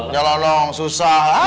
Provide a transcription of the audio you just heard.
jangan dong susah